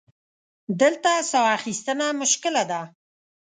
دلته سا اخیستنه مشکله ده.